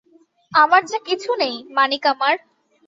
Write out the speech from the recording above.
আমার যে কিছু নেই, মানিক আমার!